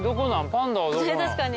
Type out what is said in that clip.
パンダはどこなん？